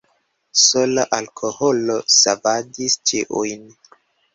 Sola alkoholo savadis ĉiujn.